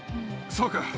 そうか。